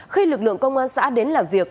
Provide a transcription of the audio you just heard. khi lực lượng công an xã đến làm việc